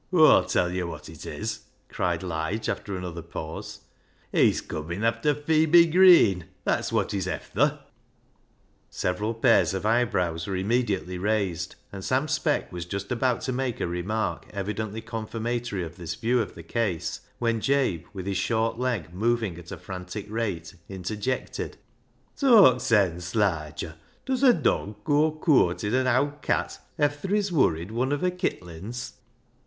" Aw'll tell yo' wot it is," cried Lige after another pause, " he's cumin' efther Phebe Green ; that's wot he's efther." Several pairs of eyebrows were immediately raised, and Sam Speck was just about to make a remark evidently confirmatory of this view of 378 BECKSIDE LIGHTS the case, when Jabe, with his short leg moving at a frantic rate, interjected —" Talk sense, Liger. Does a dog goa courtin' an owd cat efther he's worried wun of her kittlins